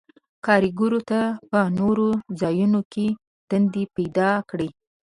کارګرو ته په نورو ځایونو کې دندې پیداکړي.